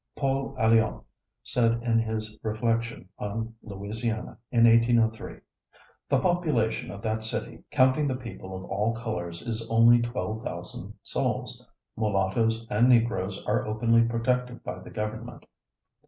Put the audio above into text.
Paul Alliot said in his reflection on Louisiana in 1803: "The population of that city counting the people of all colors is only twelve thousand souls. Mulattoes and Negroes are openly protected by the Government.